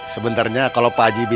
sebenernya kalo pak aji bisa ngurus